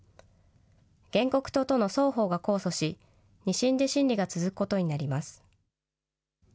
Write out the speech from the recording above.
原告と都の双方が控訴し、２審で審理が続くことになります。